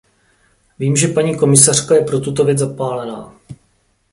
Vím, že paní komisařka je pro tuto věc zapálená.